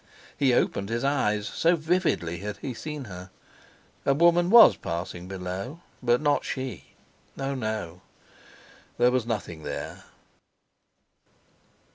He opened his eyes—so vividly he had seen her! A woman was passing below, but not she! Oh no, there was nothing there!